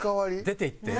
出ていって？